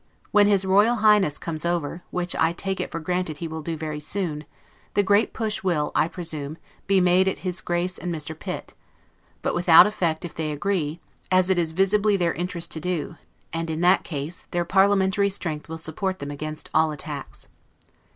When his Royal Highness comes over, which I take it for granted he will do very soon, the great push will, I presume, be made at his Grace and Mr. Pitt; but without effect if they agree, as it is visibly their interest to do; and, in that case, their parliamentary strength will support them against all attacks.